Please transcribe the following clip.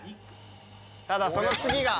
ただその次が。